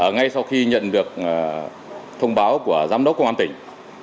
ngay sau khi nhận được thông báo của giám đốc công an tỉnh